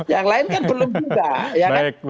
yang lain kan belum juga